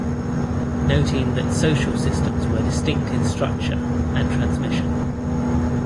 Noting that social systems were distinct in structure and transmission.